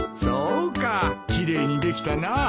そうか奇麗にできたな。